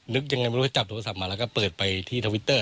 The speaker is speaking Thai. นึกยังไงไม่รู้จับโทรศัพท์มาแล้วก็เปิดไปที่ทวิตเตอร์